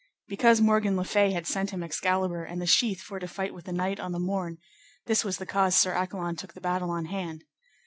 Because Morgan le Fay had sent him Excalibur and the sheath for to fight with the knight on the morn: this was the cause Sir Accolon took the battle on hand.